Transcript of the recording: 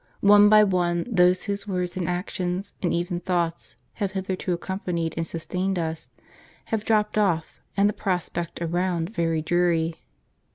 One by one, those whose words and actions, and even thoughts, have hitherto accompanied and sustained us, have dropped off, and the prospect around very dreary.